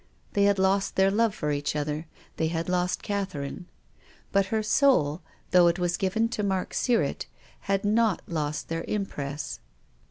They had lost their love for each other, they had lost Catherine. But her soul, though it was given to Mark Sirrett, had not lost their impress.